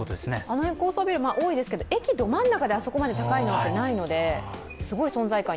あの辺、高層ビル多いですけど、駅ど真ん中であそこまで高いのってないので、すごい存在感。